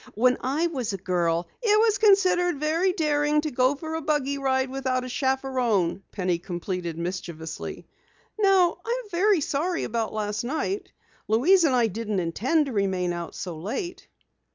When I was a girl " "It was considered very daring to go for a buggy ride without a chaperon," Penny completed mischievously. "Now, I'm very sorry about last night. Louise and I didn't intend to remain out so late."